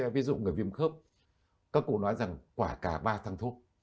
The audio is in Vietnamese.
ví dụ người viêm khớp có cụ nói rằng quả cà ba thăng thuốc